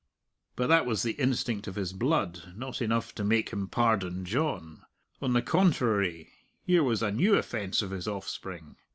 But that was the instinct of his blood, not enough to make him pardon John. On the contrary, here was a new offence of his offspring.